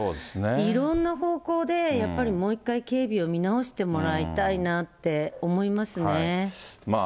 いろんな方向で、やっぱりもう一回、警備を見直してもらいたいなと思いますね。